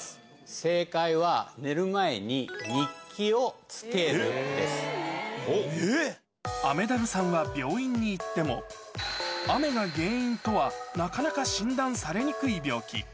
正解は、雨ダルさんは病院に行っても、雨が原因とはなかなか診断されにくい病気。